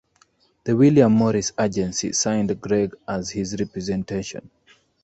The William Morris Agency signed Greg as his representation.